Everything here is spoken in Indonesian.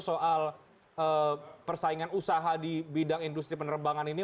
soal persaingan usaha di bidang industri penerbangan ini